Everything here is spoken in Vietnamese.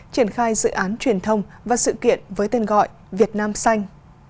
triển khai dự án truyền thông và sự kiện với tên gọi việt nam xanh